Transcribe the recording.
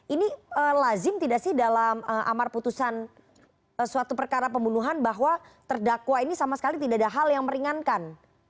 ini lazim tidak sih dalam amar putusan suatu perkara pembunuhan bahwa terdakwa ini sama sekali tidak ada hal yang meringankan